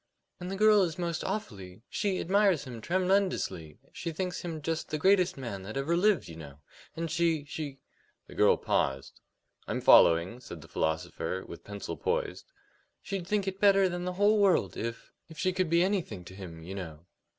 "And the girl is most awfully she admires him tremendously; she thinks him just the greatest man that ever lived, you know. And she she " The girl paused. "I'm following," said the philosopher, with pencil poised. "She'd think it better than the whole world if if she could be anything to him, you know."